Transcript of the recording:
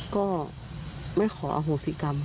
ก็ไม่ขออโหสิกรรม